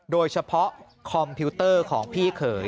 โดยเฉพาะคอมพิวเตอร์ของพี่เคย